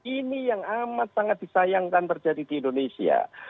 ini yang amat sangat disayangkan terjadi di indonesia